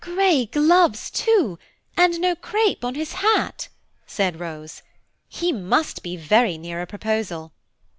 "Grey gloves too, and no crape on his hat," said Rose; "he must be very near a proposal."